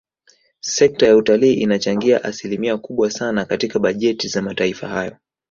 Sekta ya utalii inachangia asilimia kubwa sana katika bajeti za mataifa hayo